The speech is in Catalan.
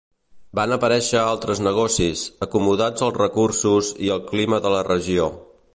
Van aparèixer altres negocis, acomodats als recursos i al clima de la regió.